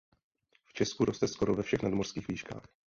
V Česku roste skoro ve všech nadmořských výškách.